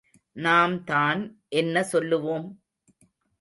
நாம்தான் என்ன சொல்லுவோம்?